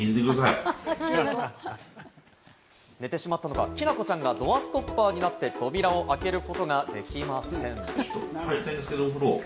寝てしまったのか、きなこちゃんがドアストッパーになって扉を開けることができません。